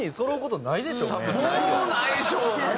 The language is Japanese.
もうないでしょうね。